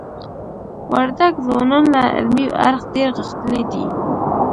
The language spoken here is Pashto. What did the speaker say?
وردګ ځوانان له علمی اړخ دير غښتلي دي.